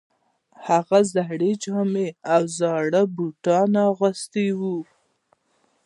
هغه زړې جامې او زاړه بوټان اغوستي وو